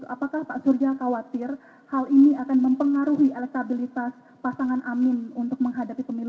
apakah pak surya khawatir hal ini akan mempengaruhi elektabilitas pasangan amin untuk menghadapi pemilu dua ribu dua puluh empat